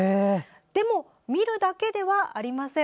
でも、見るだけではありません。